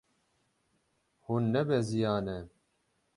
Hûn nebeziyane.